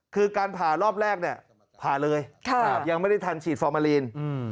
คือการผ่ารอบแรกเนี่ยผ่าเลยยังไม่ได้ทันฉีดฟอร์มาลีน